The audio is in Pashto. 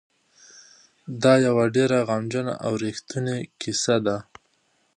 دا یوه ډېره غمجنه او رښتونې کیسه ده.